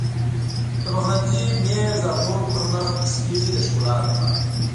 د پخلنځي میز او نورو پر مخ نصبېږي د ښکلا لپاره.